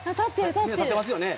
立ってますよね。